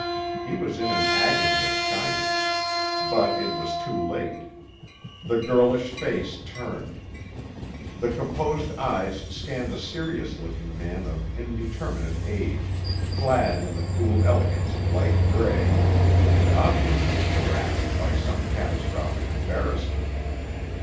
He was in an agony of shyness. But it was too late. The girlish face turned. The composed eyes scanned a serious looking man of indeterminate age, clad in the cool elegance of light gray, and obviously harassed by some catastrophic embarrassment.